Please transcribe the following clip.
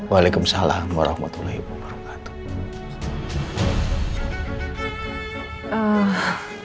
waalaikumsalam warahmatullahi wabarakatuh